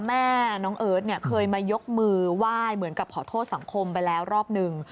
แม่น้องเอิร์ทเนี่ยเคยมายกมือไหว้เหมือนกับขอโทษสังคมไปแล้วรอบหนึ่ง